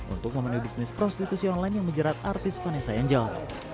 untuk memenuhi bisnis prostitusi online yang menjerat artis vanessa angel